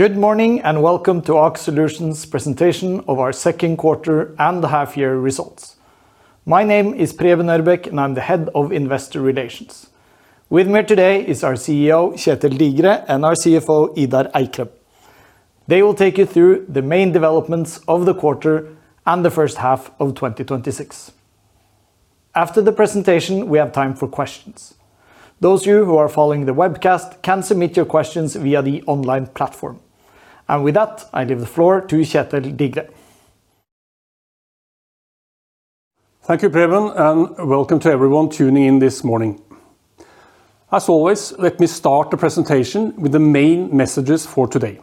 Good morning, welcome to Aker Solutions presentation of our second quarter and the half-year results. My name is Preben Ørbeck, and I am the Head of Investor Relations. With me today is our CEO, Kjetel Digre, and our CFO, Idar Eikrem. They will take you through the main developments of the quarter and the first half of 2026. After the presentation, we have time for questions. Those of you who are following the webcast can submit your questions via the online platform. With that, I leave the floor to Kjetel Digre. Thank you, Preben, welcome to everyone tuning in this morning. As always, let me start the presentation with the main messages for today.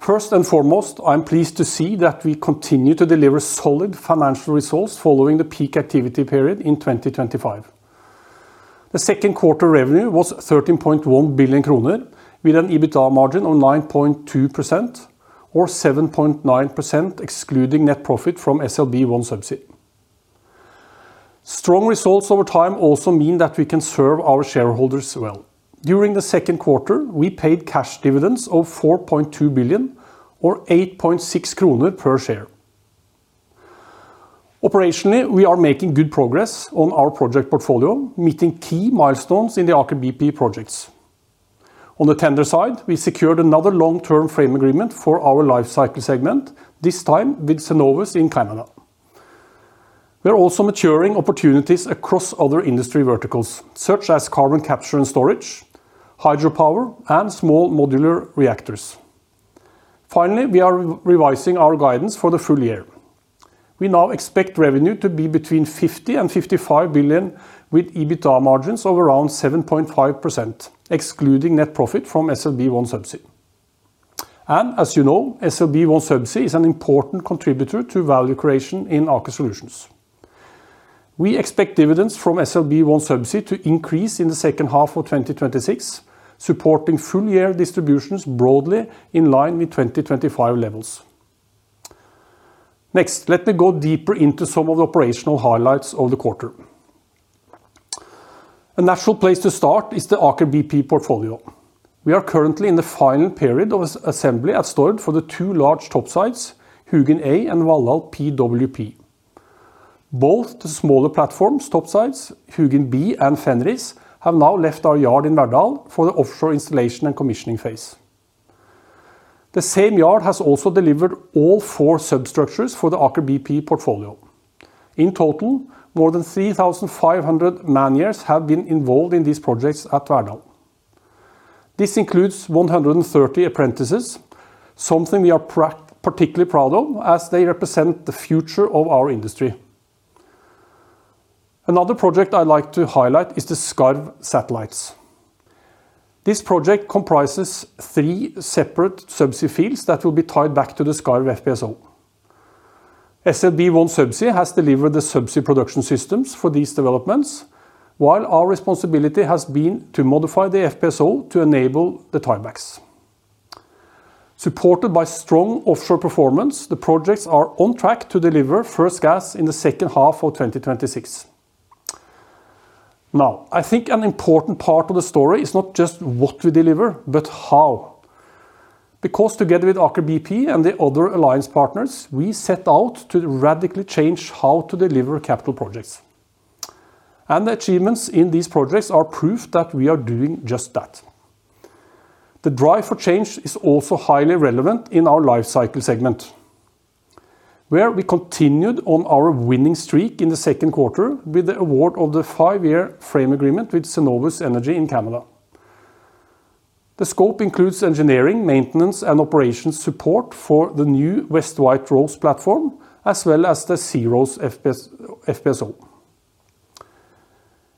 First and foremost, I am pleased to see that we continue to deliver solid financial results following the peak activity period in 2025. The second quarter revenue was 13.1 billion kroner, with an EBITDA margin of 9.2% or 7.9%, excluding net profit from SLB OneSubsea. Strong results over time also mean that we can serve our shareholders well. During the second quarter, we paid cash dividends of 4.2 billion or 8.6 kroner per share. Operationally, we are making good progress on our project portfolio, meeting key milestones in the Aker BP projects. On the tender side, we secured another long-term frame agreement for our lifecycle segment, this time with Cenovus in Canada. We are also maturing opportunities across other industry verticals, such as carbon capture and storage, hydropower, and small modular reactors. Finally, we are revising our guidance for the full year. We now expect revenue to be between 50 billion and 55 billion, with EBITDA margins of around 7.5%, excluding net profit from SLB OneSubsea. As you know, SLB OneSubsea is an important contributor to value creation in Aker Solutions. We expect dividends from SLB OneSubsea to increase in the second half of 2026, supporting full-year distributions broadly in line with 2025 levels. Next, let me go deeper into some of the operational highlights of the quarter. A natural place to start is the Aker BP portfolio. We are currently in the final period of assembly at Stord for the two large topsides, Hugin A and Valhall PWP. Both the smaller platforms, topsides, Hugin B and Fenris, have now left our yard in Verdal for the offshore installation and commissioning phase. The same yard has also delivered all four substructures for the Aker BP portfolio. In total, more than 3,500 man-years have been involved in these projects at Verdal. This includes 130 apprentices, something we are particularly proud of as they represent the future of our industry. Another project I like to highlight is the Skarv Satellites. This project comprises three separate subsea fields that will be tied back to the Skarv FPSO. SLB OneSubsea has delivered the subsea production systems for these developments, while our responsibility has been to modify the FPSO to enable the tiebacks. Supported by strong offshore performance, the projects are on track to deliver first gas in the second half of 2026. I think an important part of the story is not just what we deliver, but how. Together with Aker BP and the other alliance partners, we set out to radically change how to deliver capital projects. The achievements in these projects are proof that we are doing just that. The drive for change is also highly relevant in our lifecycle segment, where we continued on our winning streak in the second quarter with the award of the five-year frame agreement with Cenovus Energy in Canada. The scope includes engineering, maintenance, and operations support for the new West White Rose platform, as well as the SeaRose FPSO.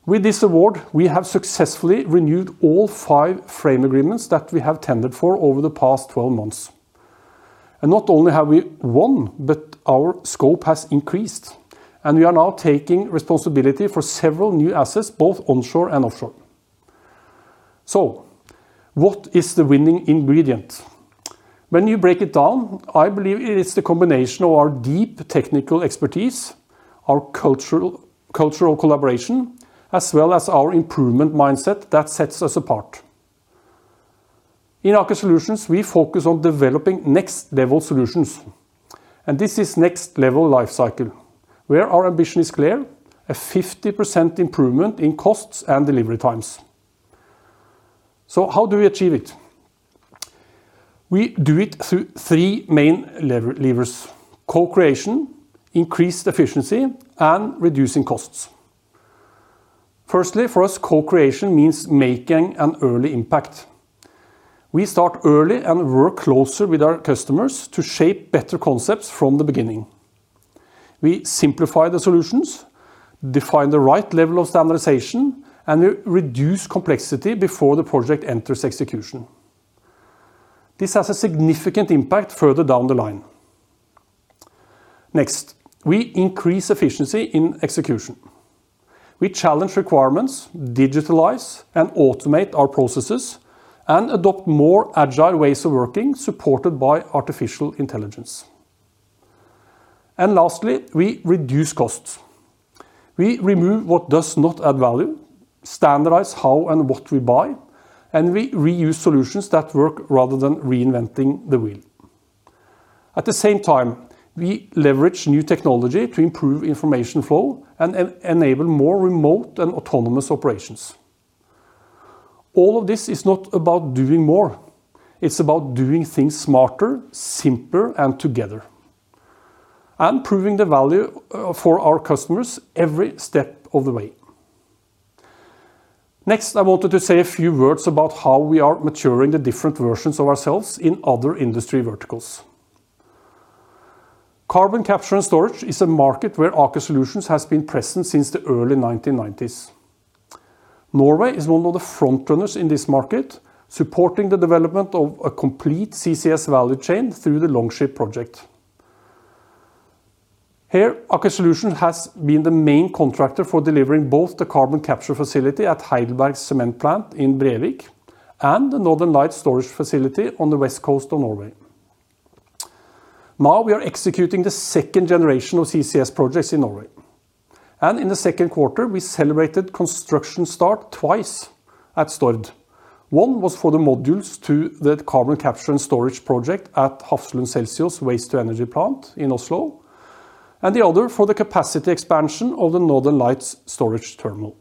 With this award, we have successfully renewed all five frame agreements that we have tended for over the past 12 months. Not only have we won, but our scope has increased, and we are now taking responsibility for several new assets, both onshore and offshore. What is the winning ingredient? When you break it down, I believe it is the combination of our deep technical expertise, our cultural collaboration, as well as our improvement mindset that sets us apart. In Aker Solutions, we focus on developing next-level solutions, and this is next-level lifecycle, where our ambition is clear, a 50% improvement in costs and delivery times. How do we achieve it? We do it through three main levers: co-creation, increased efficiency, and reducing costs. Firstly, for us, co-creation means making an early impact. We start early and work closer with our customers to shape better concepts from the beginning. We simplify the solutions, define the right level of standardization, and we reduce complexity before the project enters execution. This has a significant impact further down the line. Next, we increase efficiency in execution. We challenge requirements, digitalize and automate our processes, and adopt more agile ways of working supported by artificial intelligence. Lastly, we reduce costs. We remove what does not add value, standardize how and what we buy, and we reuse solutions that work rather than reinventing the wheel. At the same time, we leverage new technology to improve information flow and enable more remote and autonomous operations. All of this is not about doing more. It's about doing things smarter, simpler, and together, and proving the value for our customers every step of the way. Next, I wanted to say a few words about how we are maturing the different versions of ourselves in other industry verticals. Carbon capture and storage is a market where Aker Solutions has been present since the early 1990s. Norway is one of the frontrunners in this market, supporting the development of a complete CCS value chain through the Longship project. Here, Aker Solutions has been the main contractor for delivering both the carbon capture facility at Heidelberg Cement plant in Brevik and the Northern Lights storage facility on the west coast of Norway. We are executing the second generation of CCS projects in Norway, and in the second quarter, we celebrated construction start twice at Stord. One was for the modules to the carbon capture and storage project at Hafslund Celsio waste to energy plant in Oslo, and the other for the capacity expansion of the Northern Lights storage terminal.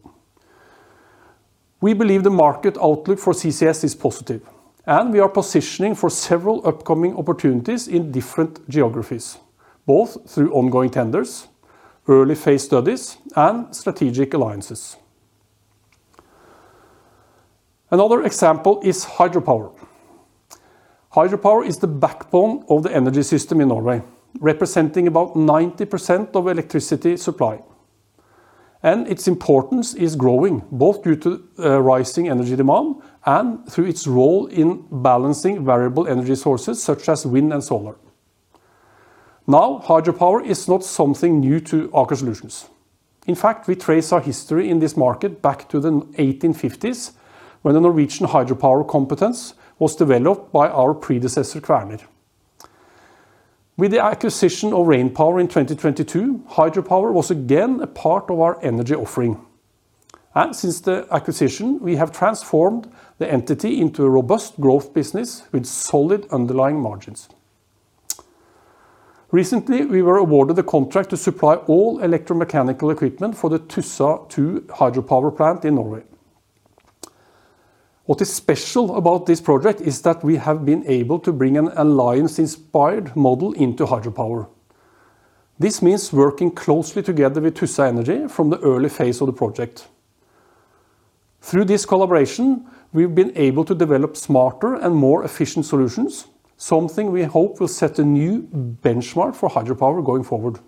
We believe the market outlook for CCS is positive, and we are positioning for several upcoming opportunities in different geographies, both through ongoing tenders, early phase studies, and strategic alliances. Another example is hydropower. Hydropower is the backbone of the energy system in Norway, representing about 90% of electricity supply. Its importance is growing both due to rising energy demand and through its role in balancing variable energy sources such as wind and solar. Hydropower is not something new to Aker Solutions. In fact, we trace our history in this market back to the 1850s, when the Norwegian hydropower competence was developed by our predecessor, Kvaerner. With the acquisition of Rainpower in 2022, hydropower was again a part of our energy offering. Since the acquisition, we have transformed the entity into a robust growth business with solid underlying margins. Recently, we were awarded the contract to supply all electromechanical equipment for the Tussa II hydropower plant in Norway. What is special about this project is that we have been able to bring an alliance-inspired model into hydropower. This means working closely together with Tussa Energi from the early phase of the project. Through this collaboration, we've been able to develop smarter and more efficient solutions, something we hope will set a new benchmark for hydropower going forward.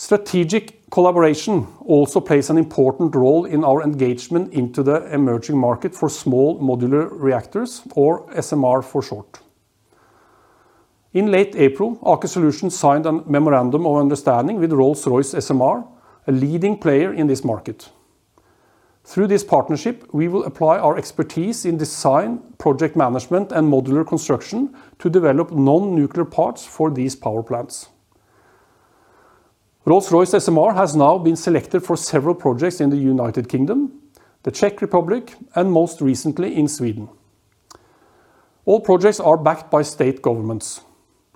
Strategic collaboration also plays an important role in our engagement into the emerging market for small modular reactors, or SMR for short. In late April, Aker Solutions signed a Memorandum of Understanding with Rolls-Royce SMR, a leading player in this market. Through this partnership, we will apply our expertise in design, project management, and modular construction to develop non-nuclear parts for these power plants. Rolls-Royce SMR has now been selected for several projects in the U.K., the Czech Republic, and most recently, in Sweden. All projects are backed by state governments.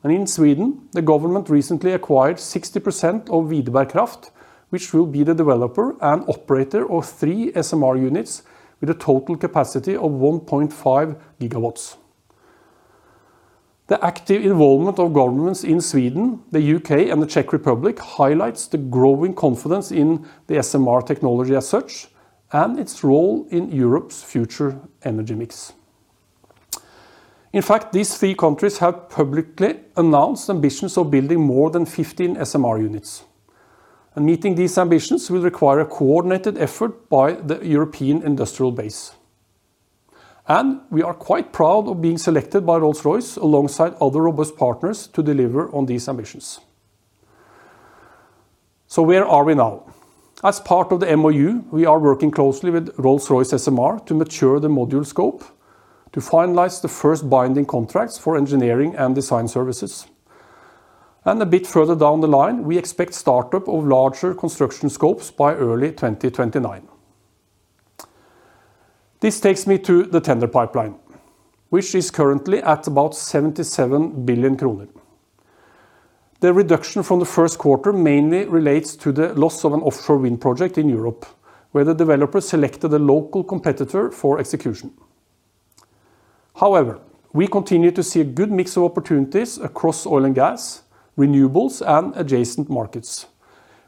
In Sweden, the government recently acquired 60% of Videberg Kraft, which will be the developer and operator of three SMR units with a total capacity of 1.5 GW. The active involvement of governments in Sweden, the U.K., and the Czech Republic highlights the growing confidence in the SMR technology as such and its role in Europe's future energy mix. In fact, these three countries have publicly announced ambitions of building more than 15 SMR units. Meeting these ambitions will require a coordinated effort by the European industrial base. We are quite proud of being selected by Rolls-Royce alongside other robust partners to deliver on these ambitions. Where are we now? As part of the MoU, we are working closely with Rolls-Royce SMR to mature the module scope, to finalize the first binding contracts for engineering and design services. A bit further down the line, we expect startup of larger construction scopes by early 2029. This takes me to the tender pipeline, which is currently at about 77 billion kroner. The reduction from the first quarter mainly relates to the loss of an offshore wind project in Europe, where the developer selected a local competitor for execution. However, we continue to see a good mix of opportunities across oil and gas, renewables, and adjacent markets,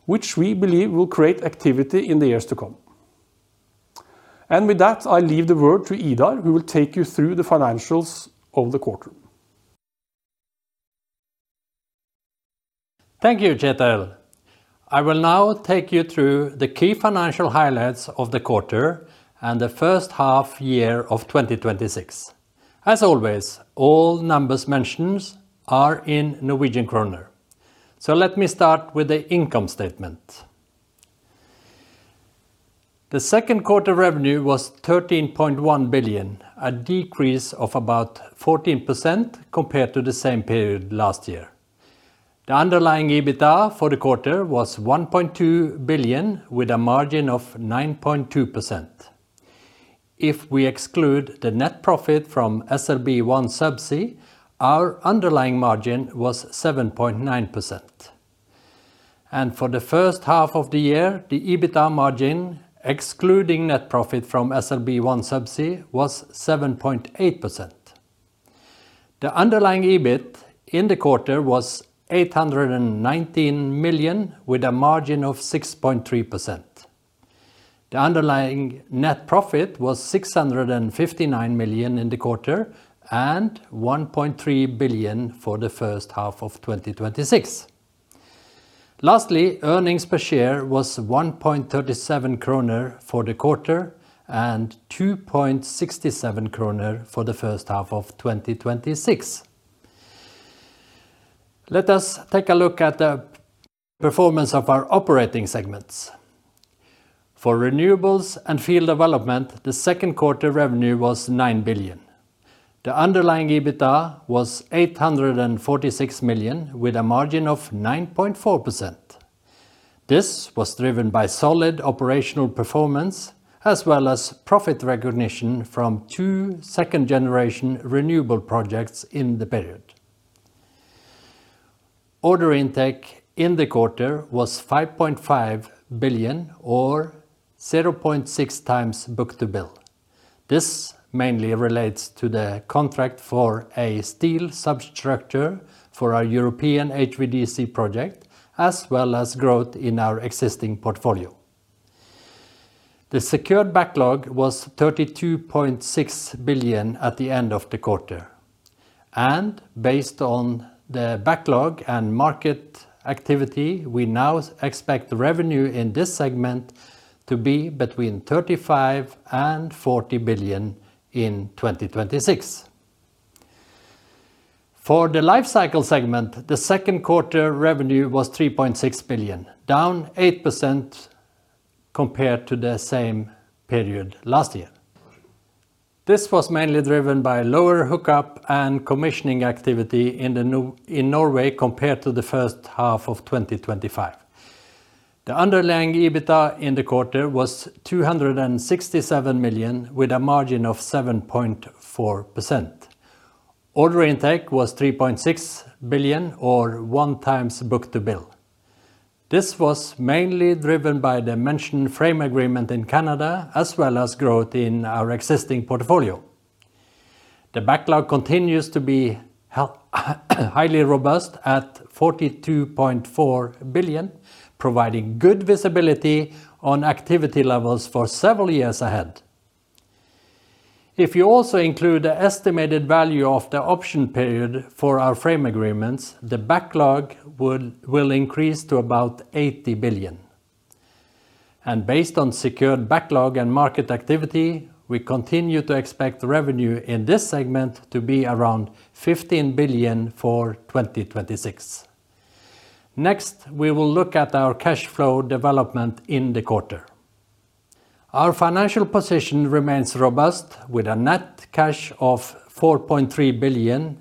which we believe will create activity in the years to come. With that, I leave the word to Idar, who will take you through the financials of the quarter. Thank you, Kjetel. I will now take you through the key financial highlights of the quarter and the first half year of 2026. As always, all numbers mentioned are in Norwegian Kroner. Let me start with the income statement. The second quarter revenue was 13.1 billion, a decrease of about 14% compared to the same period last year. The underlying EBITDA for the quarter was 1.2 billion, with a margin of 9.2%. If we exclude the net profit from SLB OneSubsea, our underlying margin was 7.9%. For the first half of the year, the EBITDA margin, excluding net profit from SLB OneSubsea, was 7.8%. The underlying EBIT in the quarter was 819 million, with a margin of 6.3%. The underlying net profit was 659 million in the quarter and 1.3 billion for the first half of 2026. Lastly, earnings per share was 1.37 kroner for the quarter and 2.67 kroner for the first half of 2026. Let us take a look at the performance of our operating segments. For renewables and field development, the second quarter revenue was 9 billion. The underlying EBITDA was 846 million, with a margin of 9.4%. This was driven by solid operational performance as well as profit recognition from two second-generation renewable projects in the period. Order intake in the quarter was 5.5 billion or 0.6x book-to-bill. This mainly relates to the contract for a steel substructure for our European HVDC project, as well as growth in our existing portfolio. The secured backlog was 32.6 billion at the end of the quarter. Based on the backlog and market activity, we now expect the revenue in this segment to be between 35 billion and 40 billion in 2026. For the lifecycle segment, the second quarter revenue was 3.6 billion, down 8% compared to the same period last year. This was mainly driven by lower hookup and commissioning activity in Norway compared to the first half of 2025. The underlying EBITDA in the quarter was 267 million, with a margin of 7.4%. Order intake was 3.6 billion or 1x book-to-bill. This was mainly driven by the mentioned frame agreement in Canada as well as growth in our existing portfolio. The backlog continues to be highly robust at 42.4 billion, providing good visibility on activity levels for several years ahead. If you also include the estimated value of the option period for our frame agreements, the backlog will increase to about 80 billion. Based on secured backlog and market activity, we continue to expect revenue in this segment to be around 15 billion for 2026. Next, we will look at our cash flow development in the quarter. Our financial position remains robust with a net cash of 4.3 billion,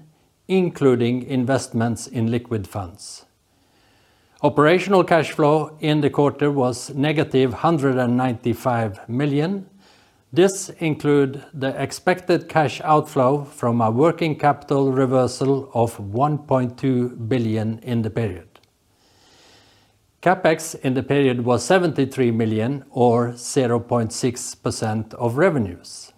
including investments in liquid funds. Operational cash flow in the quarter was -195 million. This includes the expected cash outflow from a working capital reversal of 1.2 billion in the period. CapEx in the period was 73 million, or 0.6% of revenues.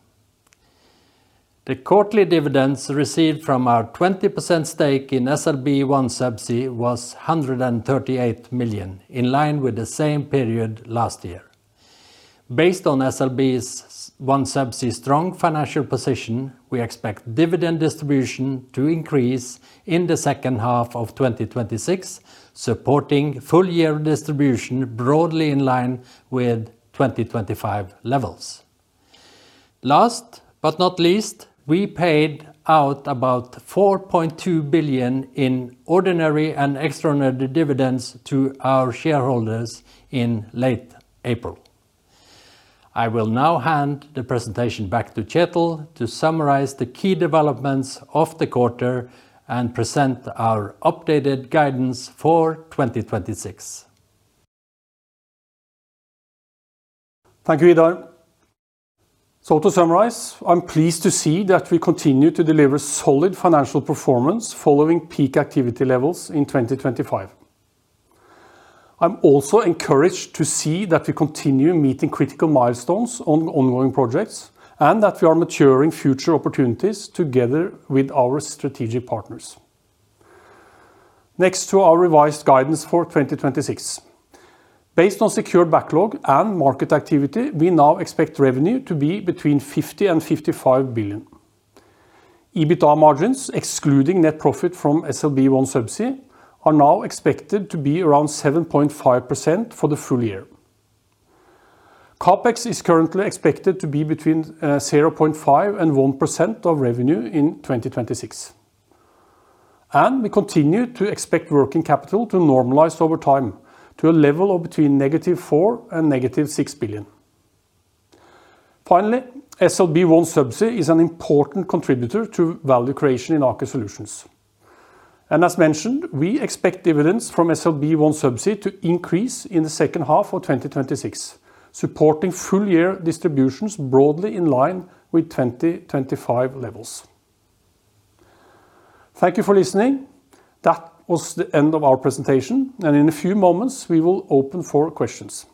The quarterly dividends received from our 20% stake in SLB OneSubsea was 138 million, in line with the same period last year. Based on SLB OneSubsea's strong financial position, we expect dividend distribution to increase in the second half of 2026, supporting full-year distribution broadly in line with 2025 levels. Last but not least, we paid out about 4.2 billion in ordinary and extraordinary dividends to our shareholders in late April. I will now hand the presentation back to Kjetel to summarize the key developments of the quarter and present our updated guidance for 2026. Thank you, Idar. To summarize, I'm pleased to see that we continue to deliver solid financial performance following peak activity levels in 2025. I'm also encouraged to see that we continue meeting critical milestones on ongoing projects and that we are maturing future opportunities together with our strategic partners. Next to our revised guidance for 2026. Based on secured backlog and market activity, we now expect revenue to be between 50 billion and 55 billion. EBITDA margins, excluding net profit from SLB OneSubsea, are now expected to be around 7.5% for the full year. CapEx is currently expected to be between 0.5% and 1% of revenue in 2026. We continue to expect working capital to normalize over time to a level of between -4 billion and -6 billion. Finally, SLB OneSubsea is an important contributor to value creation in Aker Solutions. As mentioned, we expect dividends from SLB OneSubsea to increase in the second half of 2026, supporting full year distributions broadly in line with 2025 levels. Thank you for listening. That was the end of our presentation, and in a few moments we will open for questions.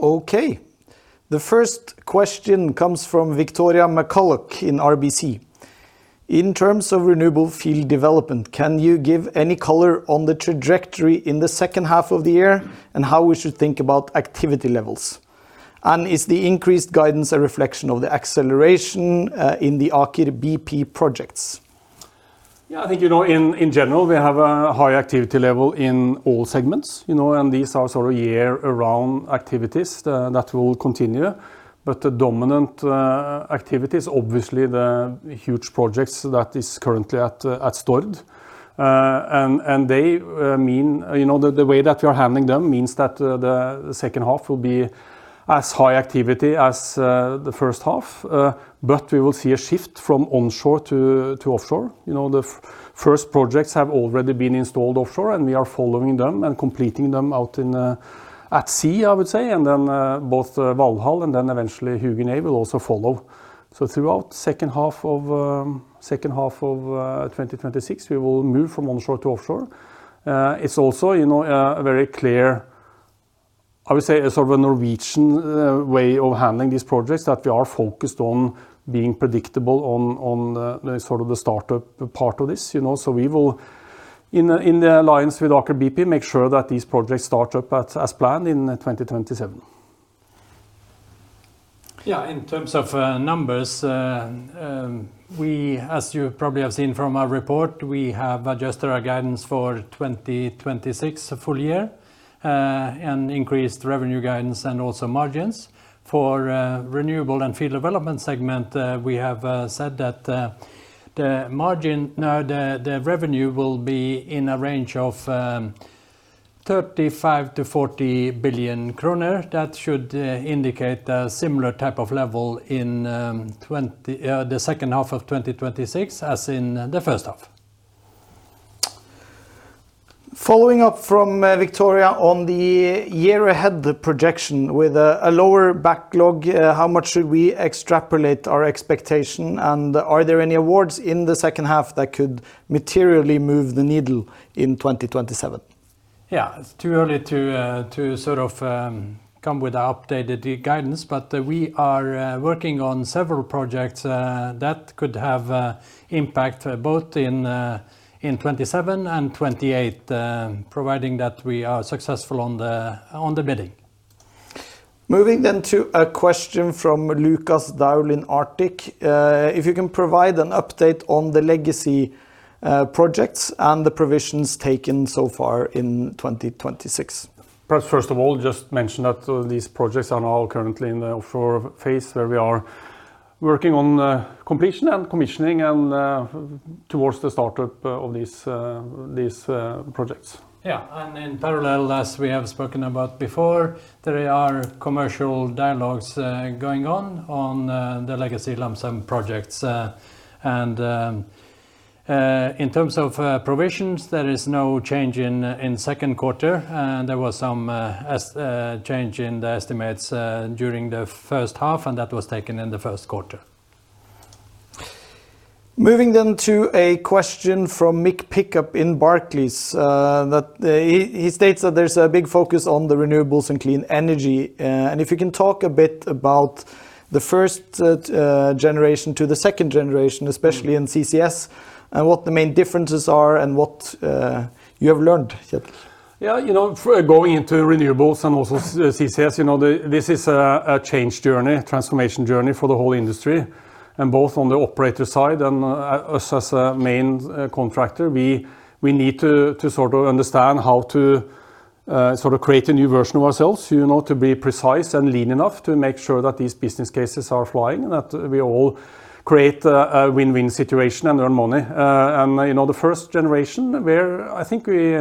Okay. The first question comes from Victoria McCulloch in RBC. In terms of renewable field development, can you give any color on the trajectory in the second half of the year and how we should think about activity levels? Is the increased guidance a reflection of the acceleration, in the Aker BP projects? Yeah, I think, in general, we have a high activity level in all segments. These are year-around activities that will continue. The dominant activities, obviously the huge projects that is currently at Stord. The way that we are handling them means that the second half will be as high activity as the first half. We will see a shift from onshore to offshore. The first projects have already been installed offshore and we are following them and completing them out at sea, I would say. Then both Valhall and then eventually Hugin will also follow. Throughout second half of 2026, we will move from onshore to offshore. It's also very clear, I would say sort of a Norwegian way of handling these projects, that we are focused on being predictable on the sort of the startup part of this. We will, in alliance with Aker BP, make sure that these projects start up as planned in 2027. Yeah. In terms of numbers, as you probably have seen from our report, we have adjusted our guidance for 2026 full year, and increased revenue guidance and also margins. For renewable and field development segment, we have said that the revenue will be in a range of 35 billion-40 billion kroner. That should indicate a similar type of level in the second half of 2026 as in the first half. Following up from Victoria on the year ahead projection with a lower backlog, how much should we extrapolate our expectation, and are there any awards in the second half that could materially move the needle in 2027? Yeah. It's too early to sort of come with the updated guidance, we are working on several projects that could have impact both in 2027 and 2028, providing that we are successful on the bidding. Moving to a question from Lukas Daul in Arctic. If you can provide an update on the legacy projects and the provisions taken so far in 2026. Perhaps first of all, just mention that these projects are now currently in the offshore phase where we are working on completion and commissioning and towards the startup of these projects. Yeah. In parallel, as we have spoken about before, there are commercial dialogues going on the legacy lump sum projects. In terms of provisions, there is no change in second quarter. There was some change in the estimates during the first half, and that was taken in the first quarter. Moving to a question from Mick Pickup in Barclays. He states that there's a big focus on the renewables and clean energy. If you can talk a bit about the first generation to the second generation, especially in CCS, and what the main differences are and what you have learned yet. Yeah. Going into renewables and also CCS, this is a change journey, transformation journey for the whole industry. Both on the operator side and us as a main contractor, we need to sort of understand how to create a new version of ourselves, to be precise and lean enough to make sure that these business cases are flying and that we all create a win-win situation and earn money. The first generation where I think we,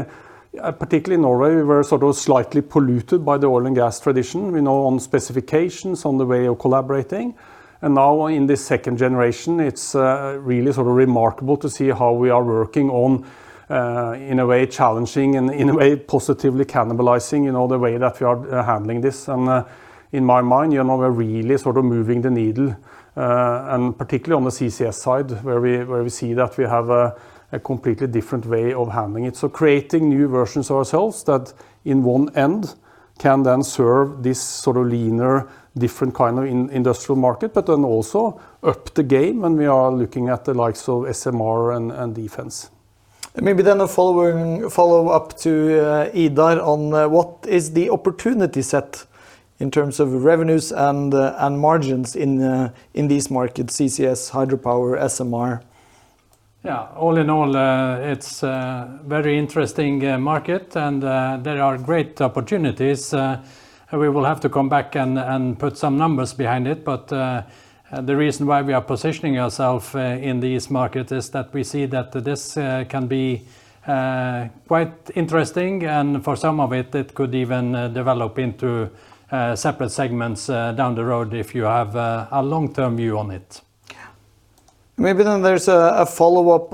particularly in Norway, we were sort of slightly polluted by the oil and gas tradition on specifications, on the way of collaborating. Now in this second generation, it's really sort of remarkable to see how we are working on, in a way challenging and in a way positively cannibalizing the way that we are handling this. In my mind, we're really sort of moving the needle, and particularly on the CCS side, where we see that we have a completely different way of handling it. Creating new versions of ourselves that in one end can then serve this sort of leaner, different kind of industrial market, but then also up the game when we are looking at the likes of SMR and defense. Maybe a follow-up to Idar on, what is the opportunity set in terms of revenues and margins in these markets, CCS, hydropower, SMR? Yeah. All in all, it's a very interesting market and there are great opportunities. We will have to come back and put some numbers behind it. The reason why we are positioning ourself in this market is that we see that this can be quite interesting, and for some of it could even develop into separate segments down the road if you have a long-term view on it. Yeah. Maybe there's a follow-up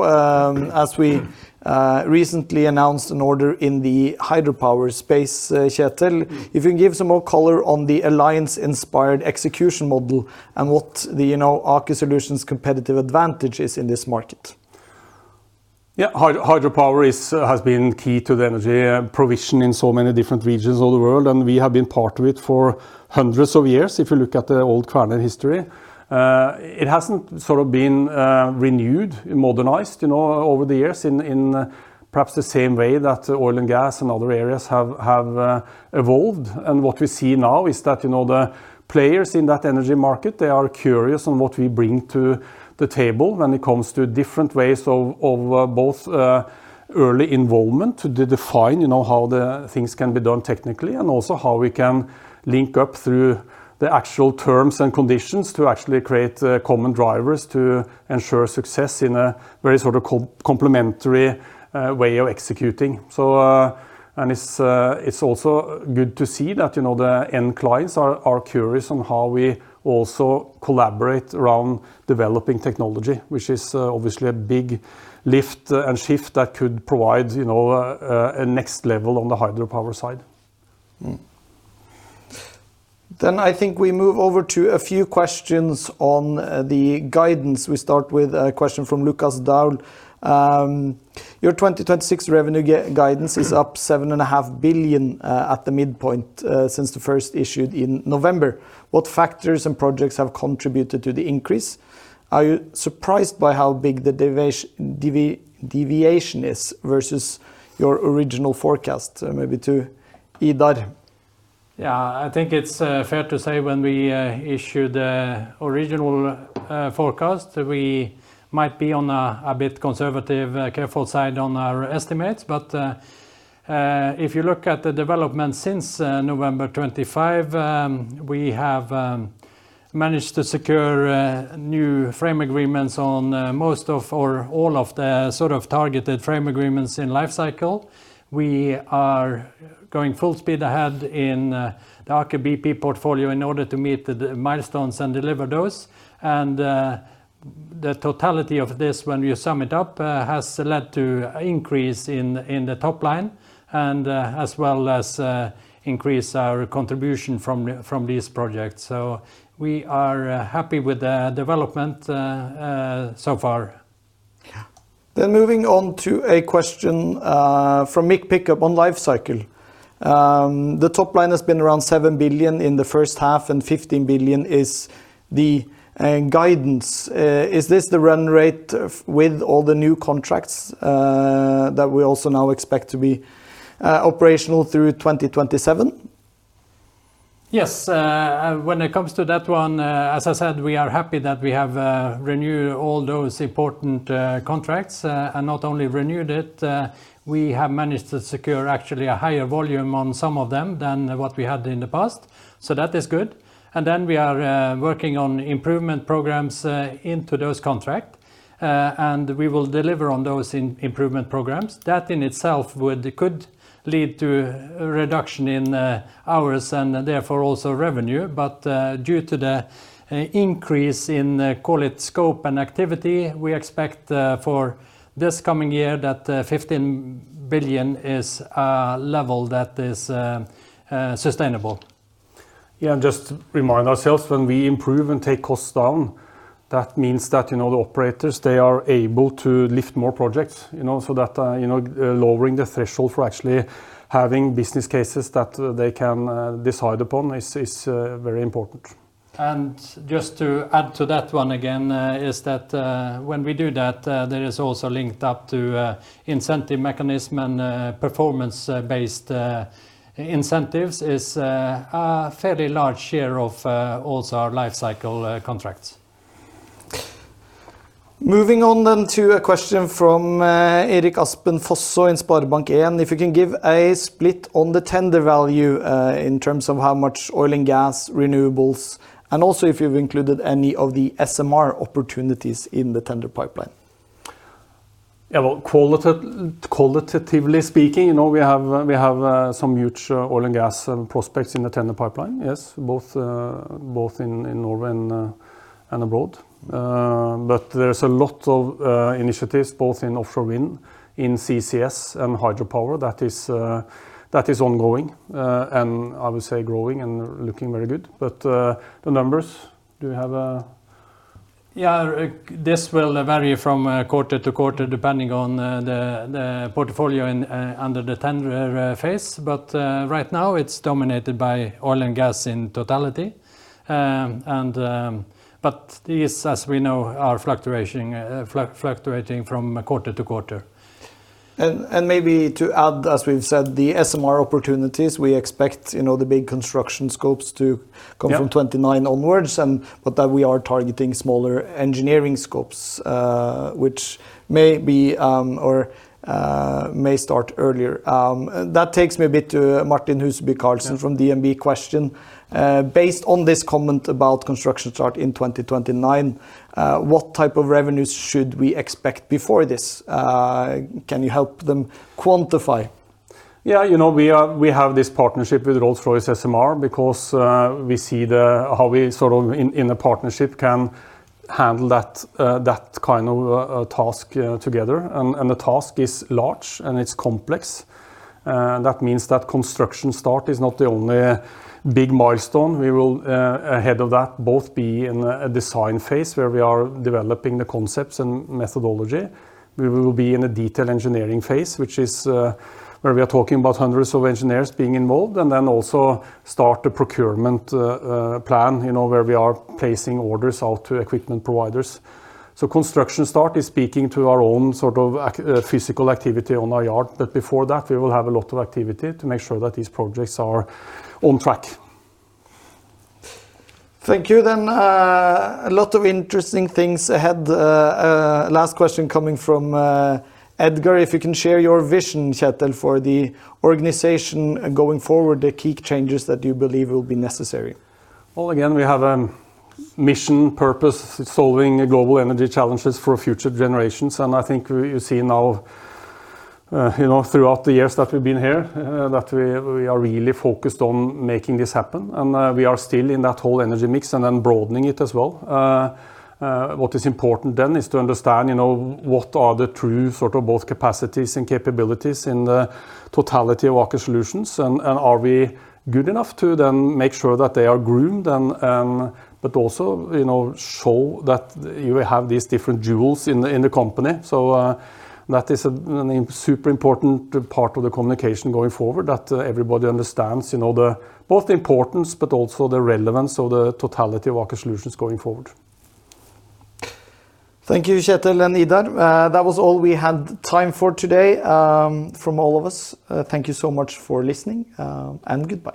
as we recently announced an order in the hydropower space, Kjetel. If you can give some more color on the alliance-inspired execution model and what the Aker Solutions competitive advantage is in this market. Yeah. Hydropower has been key to the energy provision in so many different regions of the world, we have been part of it for hundreds of years, if you look at the old Kvaerner history. It hasn't sort of been renewed, modernized over the years in perhaps the same way that oil and gas and other areas have evolved. What we see now is that the players in that energy market, they are curious on what we bring to the table when it comes to different ways of both early involvement to define how the things can be done technically. Also how we can link up through the actual terms and conditions to actually create common drivers to ensure success in a very sort of complementary way of executing. It's also good to see that the end clients are curious on how we also collaborate around developing technology, which is obviously a big lift and shift that could provide a next level on the hydropower side. I think we move over to a few questions on the guidance. We start with a question from Lukas Daul. Your 2026 revenue guidance is up 7.5 billion at the midpoint since the first issued in November. What factors and projects have contributed to the increase? Are you surprised by how big the deviation is versus your original forecast? Maybe to Idar. I think it's fair to say when we issued the original forecast, we might be on a bit conservative, careful side on our estimates. If you look at the development since November 25, we have managed to secure new frame agreements on most of, or all of the sort of targeted frame agreements in Lifecycle. We are going full speed ahead in the Aker BP portfolio in order to meet the milestones and deliver those. The totality of this, when you sum it up, has led to increase in the top line and as well as increase our contribution from these projects. We are happy with the development so far. Moving on to a question from Mick Pickup on Lifecycle. The top line has been around 7 billion in the first half, and 15 billion is the guidance. Is this the run rate with all the new contracts that we also now expect to be operational through 2027? Yes. When it comes to that one, as I said, we are happy that we have renewed all those important contracts. Not only renewed it, we have managed to secure actually a higher volume on some of them than what we had in the past. That is good. We are working on improvement programs into those contract. We will deliver on those improvement programs. That in itself could lead to a reduction in hours and therefore also revenue. Due to the increase in, call it scope and activity, we expect for this coming year that 15 billion is a level that is sustainable. Just to remind ourselves, when we improve and take costs down, that means that the operators, they are able to lift more projects, lowering the threshold for actually having business cases that they can decide upon is very important. Just to add to that one again, is that when we do that, there is also linked up to incentive mechanism and performance-based incentives is a fairly large share of also our lifecycle contracts. Moving on to a question from Erik Aspen Fosså, SpareBank 1. If you can give a split on the tender value in terms of how much oil and gas, renewables, and also if you have included any of the SMR opportunities in the tender pipeline. Qualitatively speaking, we have some huge oil and gas prospects in the tender pipeline, yes, both in Norway and abroad. There is a lot of initiatives, both in offshore wind, in CCS and hydropower that is ongoing, and I would say growing and looking very good. The numbers, do you have a- This will vary from quarter-to-quarter, depending on the portfolio under the tender phase. Right now it is dominated by oil and gas in totality. These, as we know, are fluctuating from quarter-to-quarter. Maybe to add, as we've said, the SMR opportunities, we expect the big construction scopes to come- Yeah. ...from 2029 onwards, that we are targeting smaller engineering scopes, which may start earlier. That takes me a bit to Martin Huseby Karlsen from DNB question. Based on this comment about construction start in 2029, what type of revenues should we expect before this? Can you help them quantify? Yeah. We have this partnership with Rolls-Royce SMR because we see how we, in the partnership, can handle that kind of task together, the task is large and it's complex. That means that construction start is not the only big milestone. We will, ahead of that, both be in a design phase where we are developing the concepts and methodology. We will be in a detail engineering phase, which is where we are talking about hundreds of engineers being involved, and then also start the procurement plan, where we are placing orders out to equipment providers. Construction start is speaking to our own physical activity on our yard. Before that, we will have a lot of activity to make sure that these projects are on track. Thank you. A lot of interesting things ahead. Last question coming from Edgar, if you can share your vision, Kjetel, for the organization going forward, the key changes that you believe will be necessary. Well, again, we have a mission purpose, solving global energy challenges for future generations. I think you see now, throughout the years that we've been here, that we are really focused on making this happen, and we are still in that whole energy mix and then broadening it as well. What is important then is to understand what are the true both capacities and capabilities in the totality of Aker Solutions and are we good enough to then make sure that they are groomed but also show that you have these different jewels in the company. That is a super important part of the communication going forward that everybody understands both the importance but also the relevance of the totality of Aker Solutions going forward. Thank you, Kjetel and Idar. That was all we had time for today. From all of us, thank you so much for listening, and goodbye.